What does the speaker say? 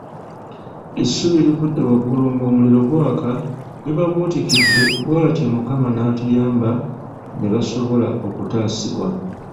Essubi erivudde waggulu ng'omuliro gwaka libabuutikidde bw'atyo Mukama n'atuyamba ne basobola okutaasibwa.